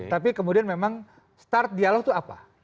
tapi kemudian memang start dialog itu apa